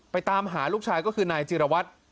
ตามหาลูกชายก็คือนายจิรวัตร